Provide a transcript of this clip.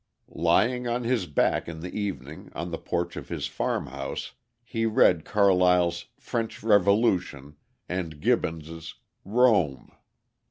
Lying on his back in the evening on the porch of his farmhouse, he read Carlyle's "French Revolution" and Gibbon's "Rome."